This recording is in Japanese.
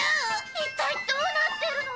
一体どうなってるの？